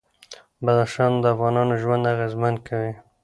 بدخشان د افغانانو ژوند اغېزمن کوي.